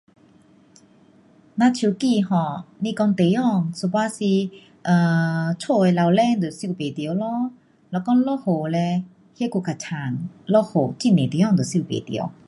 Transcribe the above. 那手机 um 不是说地方 [unintelligible] 房子屋顶收不到如说下雨更糟下雨很多地方收不到